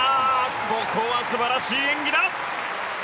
ここは素晴らしい演技だ！